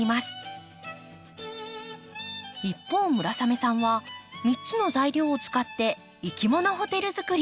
一方村雨さんは３つの材料を使っていきものホテル作り。